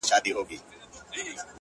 له مايې ما اخله’